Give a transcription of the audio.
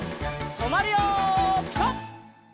とまるよピタ！